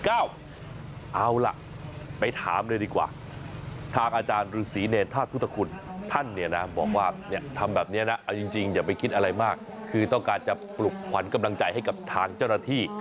เอาล่ะไปถามเลยดีกว่าทางอาจารย์ฤษีเนรธาตุพุทธคุณท่านเนี่ยนะบอกว่าทำแบบนี้นะเอาจริงอย่าไปคิดอะไรมากคือต้องการจะปลุกขวัญกำลังใจให้กับทางเจ้าหน้าที่